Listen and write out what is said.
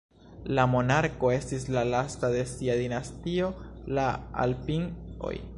La monarko estis la lasta de sia dinastio, la "Alpin"oj.